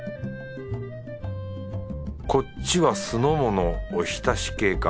こっちは酢の物おひたし系か。